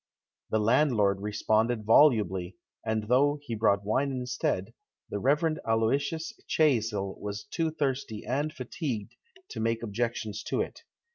The landlord responded volubly, and though he brought wine instead, the Rev. Aloysius Chaysle was too thirsty and fatigued to make ob jections to it.